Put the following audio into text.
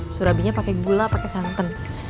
surabinya pakai gula pakai santan